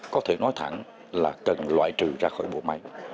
có thể nói thẳng là cần loại trừ ra khỏi bộ máy